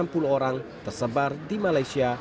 malaysia dan pilih kembali ke negara lainnya